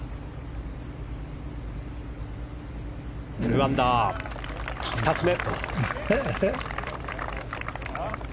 ２アンダー、２つ目。